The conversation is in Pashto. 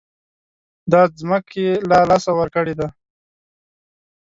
دا ځمکې له لاسه ورکړې دي.